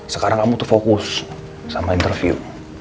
sekarang kamu tuh fokus sama interview